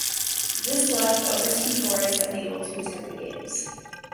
This left overseas tourists unable to attend the Games.